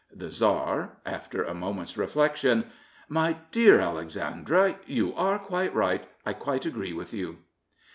The Tsar (after a moment's reflection) : My dear Alexandra, you are quite right. I quite agree with you.